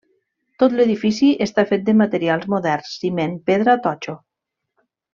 Tot l'edifici està fet de materials moderns, ciment, pedra, totxo.